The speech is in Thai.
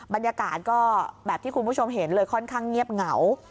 บรรยากาศก็แบบที่คุณผู้ชมเห็นเลยค่อนข้างเงียบเหงา